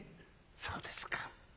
「そうですか。